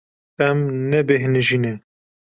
Ez nebêhnijî me.